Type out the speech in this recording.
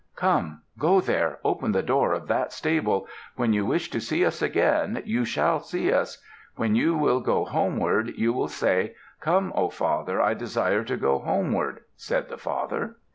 "Come, go there. Open the door of that stable. When you wish to see us again, you shall see us. When you will go homeward, you will say, 'Come, O father, I desire to go homeward,'" said the father.